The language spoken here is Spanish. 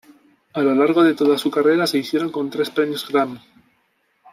A lo largo de toda su carrera se hicieron con tres premios Grammy.